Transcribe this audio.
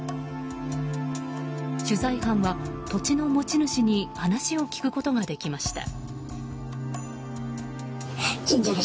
取材班は土地の持ち主に話を聞くことができました。